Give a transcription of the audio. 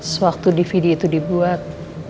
sewaktu dvd itu dibuat